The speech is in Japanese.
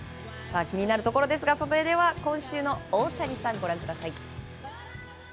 気になるところですがそれでは今週の大谷さんご覧ください。